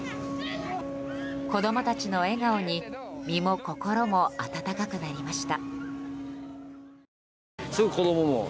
子供たちの笑顔に身も心も温かくなりました。